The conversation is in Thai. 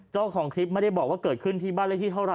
เจ้าของคลิปไม่ได้บอกว่าเกิดขึ้นที่บ้านเลขที่เท่าไ